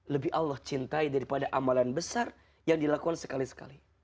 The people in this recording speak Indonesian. lebih allah cintai daripada amalan besar yang dilakukan sekali sekali